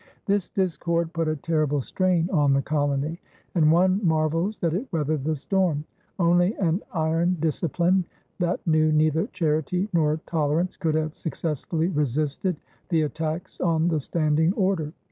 This discord put a terrible strain on the colony, and one marvels that it weathered the storm. Only an iron discipline that knew neither charity nor tolerance could have successfully resisted the attacks on the standing order.